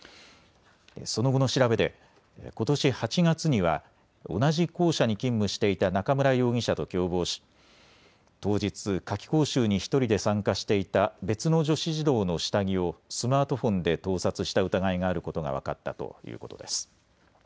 その後の調べでことし８月には同じ校舎に勤務していた中村容疑者と共謀し当日、夏期講習に１人で参加していた別の女子児童の下着をスマートフォンで盗撮した疑いがあることが分かったということです。